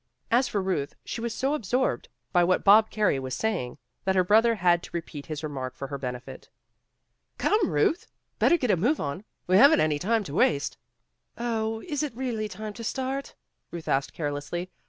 As for Ruth, she was so absorbed by what Rob Carey was saying, that her brother had to re peat his remark for her benefit. "Come, Ruth. GOOD BY 181 Better get a move on. We haven't any time to waste.'' ''Oh, is it really time to start?" Ruth asked carelessly.